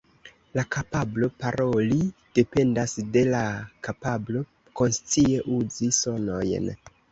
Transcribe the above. La kapablo paroli dependas de la kapablo konscie uzi sonojn.